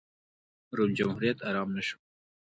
روم جمهوریت ارام نه شو.